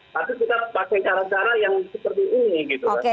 lalu kita pakai cara cara yang seperti ini